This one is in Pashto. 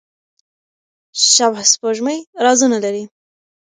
شبح سپوږمۍ رازونه لري.